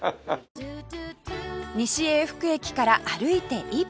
西永福駅から歩いて１分